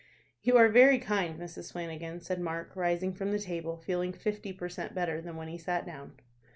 "You are very kind, Mrs. Flanagan," said Mark, rising from the table, feeling fifty per cent. better than when he sat down.